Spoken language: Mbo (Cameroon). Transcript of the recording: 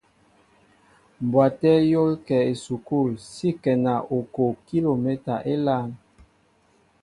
Mbwaté a yól kέ a esukul si ŋkέŋa okoʼo kilomɛta élāān.